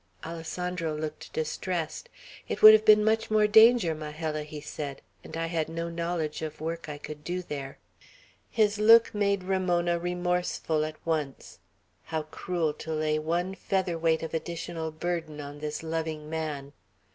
Alessandro looked distressed. "It would have been much more danger, Majella," he said, "and I had no knowledge of work I could do there." His look made Ramona remorseful at once. How cruel to lay one feather weight of additional burden on this loving man.